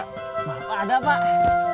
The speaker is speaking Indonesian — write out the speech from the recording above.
bapak ada pak